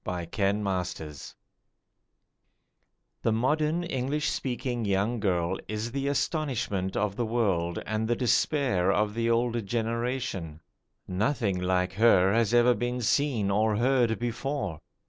THE YOUNGER BORN The modern English speaking young girl is the astonishment of the world and the despair of the older generation. Nothing like her has ever been seen or heard before.